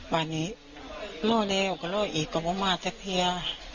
วันนี้โร่เดียวก็โร่อีกก็บ้างมากจากเฮีย